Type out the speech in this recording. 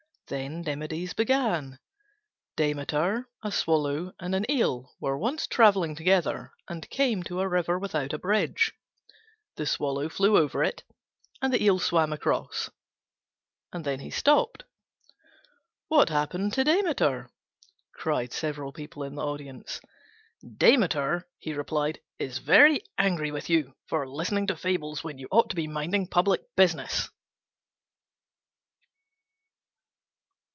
Then Demades began: "Demeter, a Swallow, and an Eel were once travelling together, and came to a river without a bridge: the Swallow flew over it, and the Eel swam across"; and then he stopped. "What happened to Demeter?" cried several people in the audience. "Demeter," he replied, "is very angry with you for listening to fables when you ought to be minding public business."